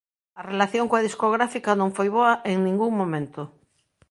A relación coa discográfica non foi boa en ningún momento.